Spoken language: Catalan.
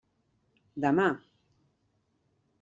Demà!